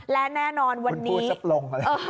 และแน่นอนวันนี้คุณพูดซับลง